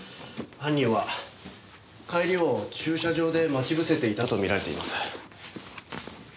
犯人は帰りを駐車場で待ち伏せていたと見られています。